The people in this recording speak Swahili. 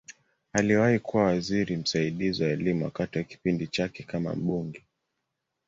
Aliwahi kuwa waziri msaidizi wa Elimu wakati wa kipindi chake kama mbunge.